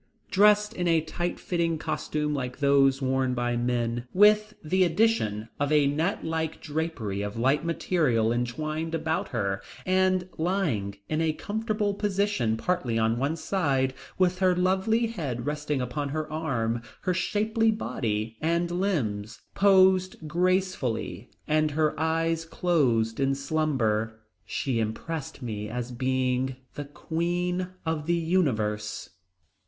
Dressed in a tight fitting costume like those worn by the men, with the addition of a net like drapery of light material entwined about her, and lying in a comfortable position partly on one side, with her lovely head resting upon one arm, her shapely body and limbs posed gracefully and her eyes closed in slumber, she impressed me as being the queen of the universe.